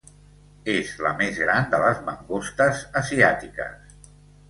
És la més gran de les mangostes asiàtiques.